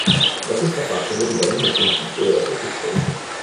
Da questa fascia deriva il nome scientifico della sottospecie.